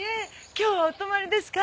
今日はお泊まりですか？